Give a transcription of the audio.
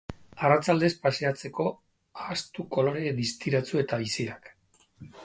Arratsaldez paseatzeko, ahaztu kolore distiratsu eta biziak.